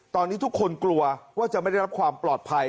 ตอนนี้ทุกคนกลัวว่าจะไม่ได้รับความปลอดภัย